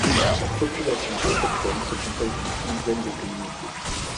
La population autochtone se compose d’une quinzaine de communautés.